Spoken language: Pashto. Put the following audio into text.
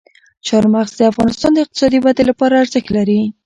چار مغز د افغانستان د اقتصادي ودې لپاره ارزښت لري.